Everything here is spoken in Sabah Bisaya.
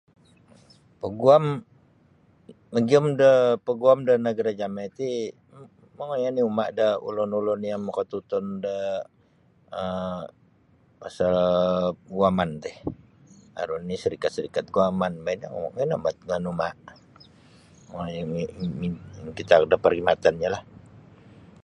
Paguam magiyum de paguam de nagara' jami' ti um mongoi oni uma' da ulu-ulun yang makatutun da um pasal guaman ti aru nini' sarikat-sarikat guaman boh ino ino bat ngoiyon umaa' mongoi mi mikitaak da perkhidmatannyolah.